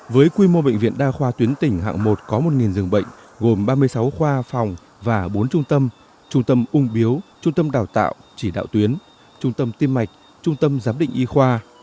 với quy mô bệnh viện đa khoa tuyến tỉnh hạng một có một dường bệnh gồm ba mươi sáu khoa phòng và bốn trung tâm trung tâm ung biếu trung tâm đào tạo chỉ đạo tuyến trung tâm tiêm mạch trung tâm giám định y khoa